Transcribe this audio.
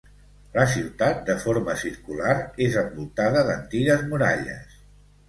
La ciutat, de forma circular, és envoltada d'antigues muralles.